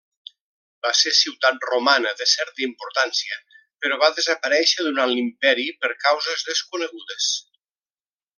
Va ser ciutat romana de certa importància però va desaparèixer durant l'Imperi, per causes desconegudes.